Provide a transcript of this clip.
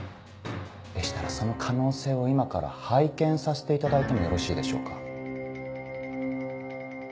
でしたらその可能性を今から拝見させていただいてもよろしいでしょうか？